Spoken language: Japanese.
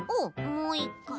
もういっかい？